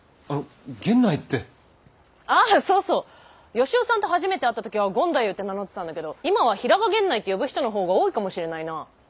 吉雄さんと初めて会った時は権太夫って名乗ってたんだけど今は平賀源内って呼ぶ人のほうが多いかもしれないなぁ。